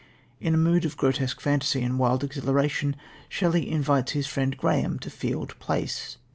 In a mood of grotesque fantasy and wild exhilaration, Shelley invites his friend Graham to Field Place.